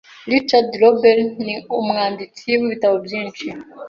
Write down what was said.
Richard Roberts ni umwanditsi wibitabo byinshi.